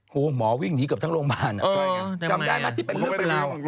โหหมอวิ่งหนีออกเหมือนจะแกบทั้งโรงปาร